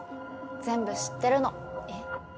全部知ってるの。